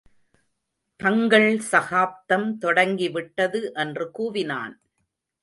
தங்கள் சகாப்தம் தொடங்கி விட்டது என்று கூவினான்.